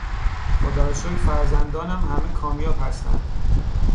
خدا را شکر فرزندانم همه کامیاب هستند.